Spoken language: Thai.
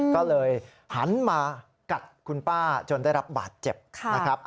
ก็เลยหันมากัดคุณป้าจนได้รับบาดเจ็บนะครับ